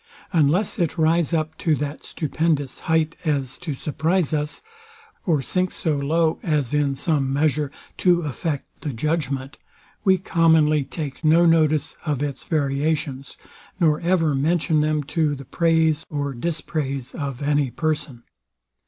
Unless it rise up to that stupendous height as to surprize us, or sink so low as, in some measure, to affect the judgment, we commonly take no notice of its variations, nor ever mention them to the praise or dispraise of any person.